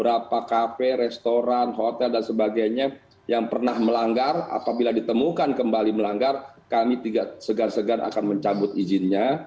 beberapa kafe restoran hotel dan sebagainya yang pernah melanggar apabila ditemukan kembali melanggar kami tidak segan segan akan mencabut izinnya